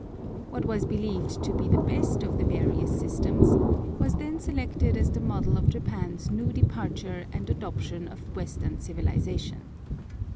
What was believed to be the best of the various systems was then selected as the model of Japan's new departure and adoption of Western civilization.